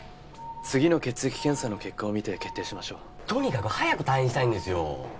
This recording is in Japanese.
次の血液検査の結果を見て決定しましょうとにかく早く退院したいんですよ